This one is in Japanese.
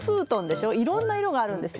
いろんな色があるんですよ。